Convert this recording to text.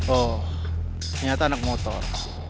oh ternyata anak motor